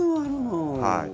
はい。